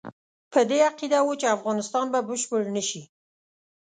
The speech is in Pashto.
په دې عقیده وو چې افغانستان به بشپړ نه شي.